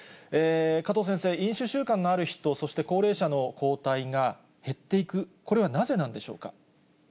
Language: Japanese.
加藤先生、飲酒習慣のある人、そして高齢者の抗体が減っていく、これはなぜなんでしょうか。